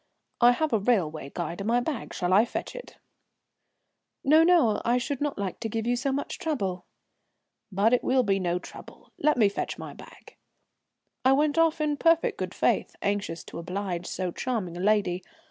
"I have a railway guide in my bag, shall I fetch it?" "No, no, I should not like to give you so much trouble." "But it will be no trouble. Let me fetch my bag." I went off in perfect good faith, anxious to oblige so charming a lady.